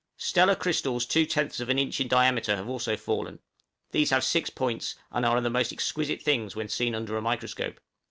Stellar crystals two tenths of an inch in diameter have also fallen; these have six points, and are the most exquisite things when seen under a microscope.